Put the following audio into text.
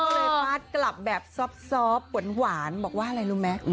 ก็เลยฟาดกลับแบบซอบหวานบอกว่าอะไรรู้ไหม